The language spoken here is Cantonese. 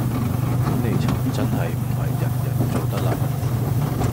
管理層真係唔係人人做得嚟